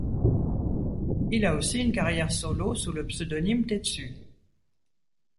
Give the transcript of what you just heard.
Il a aussi une carrière solo sous le pseudonyme Tetsu.